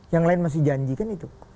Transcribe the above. yang lain masih janjikan itu